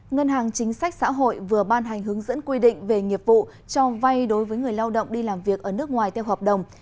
ngân hàng chính sách xã hội vừa ban hành hướng dẫn quy định về nghiệp vụ cho vay đối với người lao động đi làm việc ở nước ngoài theo hợp đồng